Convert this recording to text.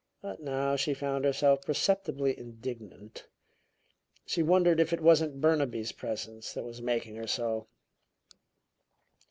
But now she found herself perceptibly indignant. She wondered if it wasn't Burnaby's presence that was making her so.